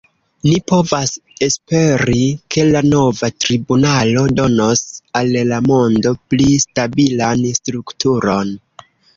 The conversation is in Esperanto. Ni povas esperi, ke la nova tribunalo donos al la mondo pli stabilan strukturon.